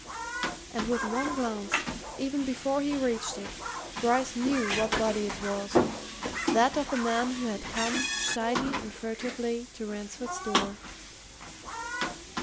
And with one glance, even before he reached it, Bryce knew what body it was that of the man who had come, shyly and furtively, to Ransford's door.